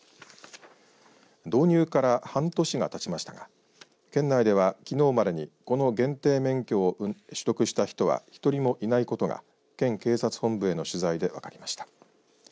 導入から半年がたちましたが県内ではきのうまでに、この限定免許を取得した人は１人もいないことが県警察本部への取材で分かりました。